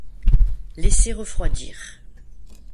Laisser refroidir.